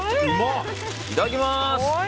いただきます！